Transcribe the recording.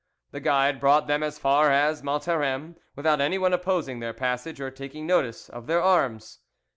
The guide brought them as far as Montarem without anyone opposing their passage or taking notice of their arms.